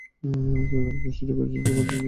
তিনি আদমকে সৃষ্টি করেছেন জুমআর দিন আসরের পর।